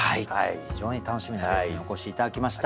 非常に楽しみなゲストにお越し頂きました。